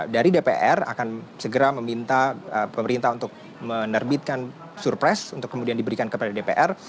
dari dpr akan segera meminta pemerintah untuk menerbitkan surprise untuk kemudian diberikan kepada dpr